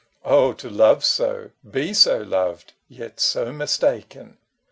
Oh to love so, be so loved, yet so mistaken